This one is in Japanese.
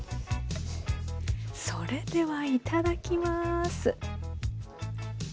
それではいただきます。